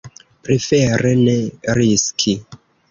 Prefere ne riski.